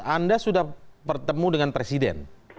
anda sudah bertemu dengan presiden